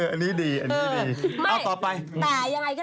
อันนี้ดี